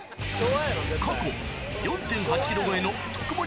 過去、４．８キロ超えの特盛り